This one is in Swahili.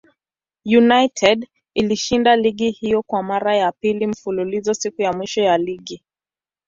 United ilishinda ligi hiyo kwa mara ya pili mfululizo siku ya mwisho ya ligi.